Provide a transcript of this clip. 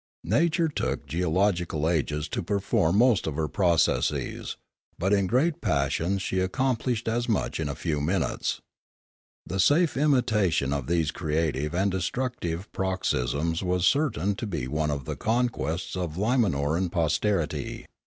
Nature took geological ages to perform most of her processes; but in great passions she accom plished as much in a few minutes. The safe imitation of these creative and destructive paroxysms was certain to be one of the conquests of Limanoran posterity.